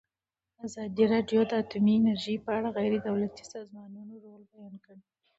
ازادي راډیو د اټومي انرژي په اړه د غیر دولتي سازمانونو رول بیان کړی.